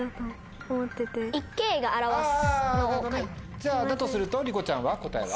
じゃあだとするとりこちゃんは答えは？